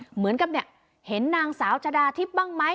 เหมือนกับเนี่ยเห็นนางสาวชะดาทิพย์บ้างไหม